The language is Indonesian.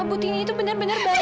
buti ini itu benar benar baik